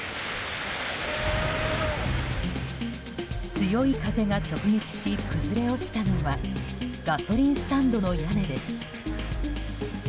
強い風が直撃し崩れ落ちたのはガソリンスタンドの屋根です。